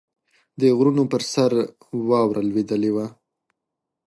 د غرونو پر سر واوره لوېدلې وه.